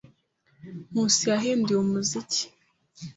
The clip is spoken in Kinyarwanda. Nkusi yahinduye umuziki.